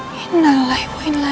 jangan lupa subscribe channel ini